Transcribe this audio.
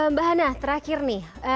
mbah hana terakhir nih